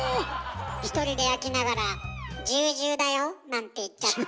１人で焼きながら「ジュージューだよ」なんて言っちゃって。